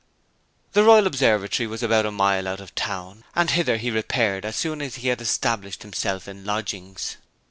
The Royal Observatory was about a mile out of the town, and hither he repaired as soon as he had established himself in lodgings.